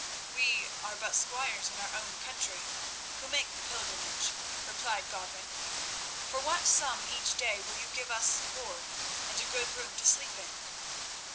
"We are but squires in our own country, who make the pilgrimage," replied Godwin. "For what sum each day will you give us board and a good room to sleep in?"